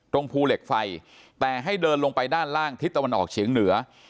ภูเหล็กไฟแต่ให้เดินลงไปด้านล่างทิศตะวันออกเฉียงเหนือ